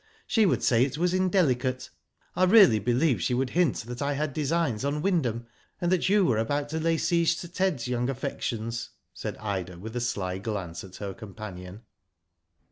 She would say it was indelicate. I really believe she would hint that I had designs on Wynd ham, and that you were about to lay siege to Digitized byGoogk 64 WHO DID ITf Ted's young affections," said Ida, with a sly glance at her companion.